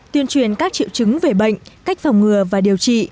tuyên truyền các triệu chứng về bệnh cách phòng ngừa và điều trị